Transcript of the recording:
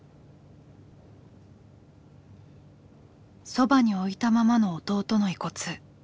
そばに置いたままの弟の遺骨。